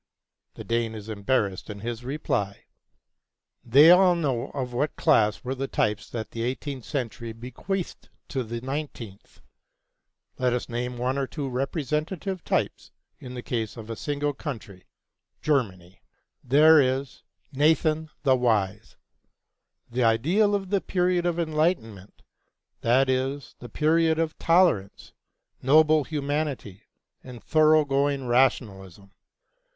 The Dane is embarrassed in his reply. They all know of what class were the types that the eighteenth century bequeathed to the nineteenth. Let us name one or two representative types in the case of a single country, Germany. There is 'Nathan the Wise,' the ideal of the period of enlightenment; that is, the period of tolerance, noble humanity, and thorough going rationalism.